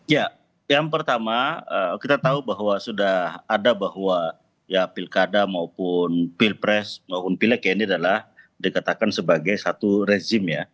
ya yang pertama kita tahu bahwa sudah ada bahwa ya pilkada maupun pilpres maupun pilek ya ini adalah dikatakan sebagai satu rezim ya